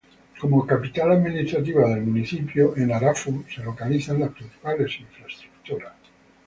Como capital administrativa del municipio, en Arafo se localizan las principales infraestructuras.